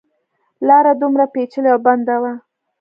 لاره دومره پېچلې او بنده وه.